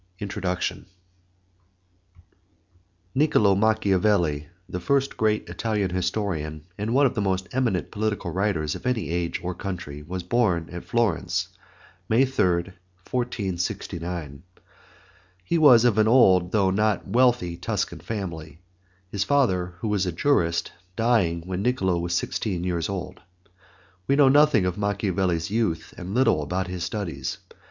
INTRODUCTION Niccolo Machiavelli, the first great Italian historian, and one of the most eminent political writers of any age or country, was born at Florence, May 3, 1469. He was of an old though not wealthy Tuscan family, his father, who was a jurist, dying when Niccolo was sixteen years old. We know nothing of Machiavelli's youth and little about his studies.